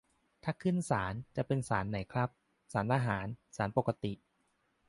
ถ้าขึ้นศาล จะเป็นศาลไหนครับ ศาลทหาร ศาลปกติ